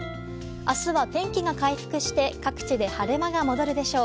明日は天気が回復して各地で晴れ間が戻るでしょう。